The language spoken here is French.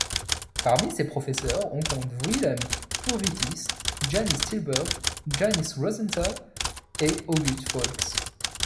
Parmi ses professeurs on compte Vilhelms Purvītis, Jānis Tillbergs, Janis Rozentāls et Augusts Folcs.